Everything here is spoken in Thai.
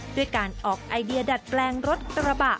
ด้วยการออกไอเดียดัดแปลงรถกระบะ